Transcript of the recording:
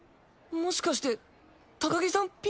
もしかして高木さん